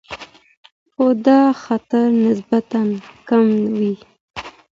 خو دا خطر نسبتاً کم وي.